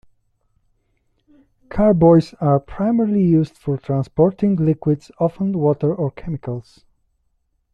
Carboys are primarily used for transporting liquids, often water or chemicals.